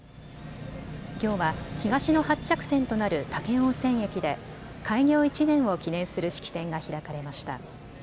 きょうは東の発着点となる武雄温泉駅で開業１年を記念する式典が開かれました。